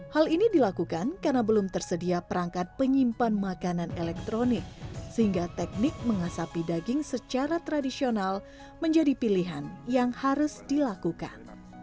hal ini dilakukan karena belum tersedia perangkat penyimpan makanan elektronik sehingga teknik mengasapi daging secara tradisional menjadi pilihan yang harus dilakukan